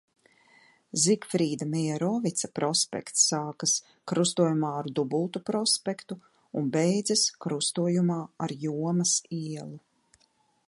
Zigfrīda Meierovica prospekts sākas krustojumā ar Dubultu prospektu un beidzas krustojumā ar Jomas ielu.